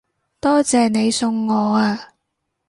多謝你送我啊